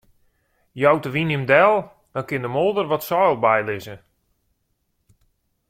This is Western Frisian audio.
Jout de wyn him del, dan kin de moolder wat seil bylizze.